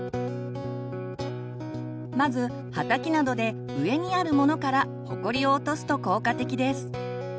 まずハタキなどで上にあるものからほこりを落とすと効果的です。